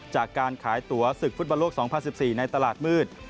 จากการขายตัวศึกฟุตบอลโลก๒๐๑๔ในตลาดมืด